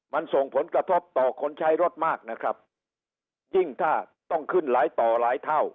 มันส่งผลกระทบต่อคนใช้รถมากนะครับยิ่งถ้าต้องขึ้นหลายต่อหลายเท่า